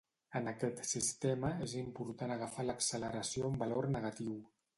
En aquest sistema és important agafar l'acceleració amb valor negatiu.